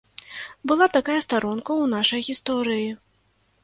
Была такая старонка ў нашай гісторыі.